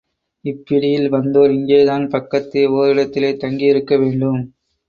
இப் பிடியில் வந்தோர் இங்கேதான் பக்கத்தே ஒரிடத்திலே தங்கியிருக்க வேண்டும.